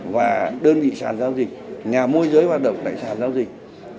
và đơn vị sản giao dịch nhà môi giới hoạt động đại sản giao dịch